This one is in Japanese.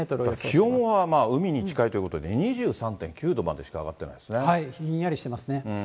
気温は海に近いということで、２３．９度までしか上がってないひんやりしてますね。